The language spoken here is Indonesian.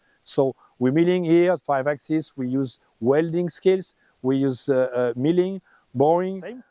jadi kita melangkau di sini di lima akses kita menggunakan kemampuan melangkau melangkau dan membuang